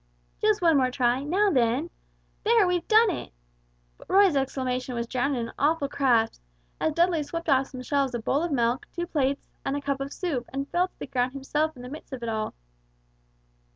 "Just one more try now then there, we've done it!" But Roy's exclamation of delight was drowned in an awful crash, as Dudley swept off some shelves a bowl of milk, two plates, and a cup of soup, and fell to the ground himself in the midst of it all.